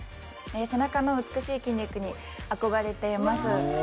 背中の美しい筋肉にあこがれています。